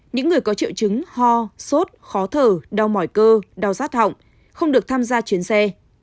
những người có triệu chứng ho sốt khó thở đau mỏi cơ đau rát họng không được tham gia chuyến xe